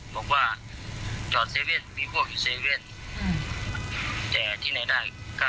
ถ้าผมจะโพกปืนไปทำงานผมจะโพกไปทำไมอ่าผมไปทำงานค่ะ